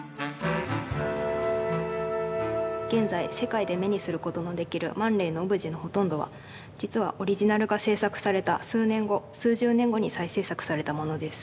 現在世界で目にすることのできるマン・レイのオブジェのほとんどは実はオリジナルが制作された数年後数十年後に再制作されたものです。